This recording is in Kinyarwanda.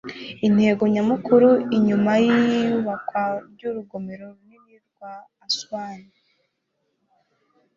intego nyamukuru inyuma y'iyubakwa ry'urugomero runini rwa aswani